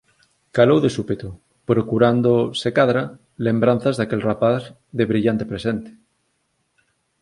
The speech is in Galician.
Calou de súpeto, procurando, se cadra, lembranzas daquel rapaz de brillante presente.